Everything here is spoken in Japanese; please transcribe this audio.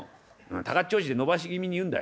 高調子で伸ばし気味に言うんだ」。